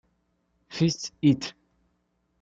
Fix It".